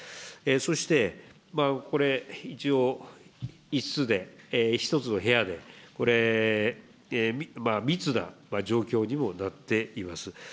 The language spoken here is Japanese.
そしてこれ、一応、一室で、１つの部屋で、これ、密な状況にもなっています。